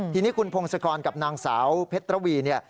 ทีนี้คุณพงศกรกับนางสาวเพชรวี